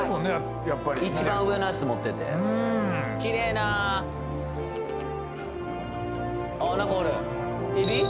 やっぱり見てると一番上のやつ持っててきれいなあっなんかおるエビ？